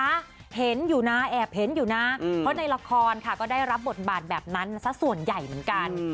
เอ็บเห็นอยู่แล้วนะคะเพราะในละครก็ได้รับบทบาทแบบนั้นซ้าส่วนใหญ่เหมือนกัน